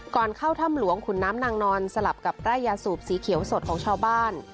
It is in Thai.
เข้าถ้ำหลวงขุนน้ำนางนอนสลับกับไร่ยาสูบสีเขียวสดของชาวบ้าน